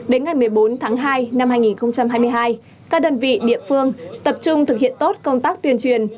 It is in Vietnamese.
đến ngày một mươi bốn tháng hai năm hai nghìn hai mươi hai các đơn vị địa phương tập trung thực hiện tốt công tác tuyên truyền